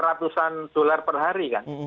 ratusan dolar per hari kan